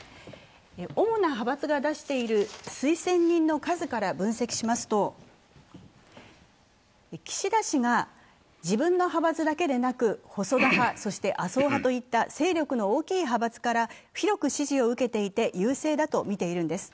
主な派閥が出している推薦人の数から分析しますと、岸田氏が自分の派閥だけでなく細田派、そして麻生派といった勢力の大きい派閥から広く支持を受けていて優勢だとみているんです。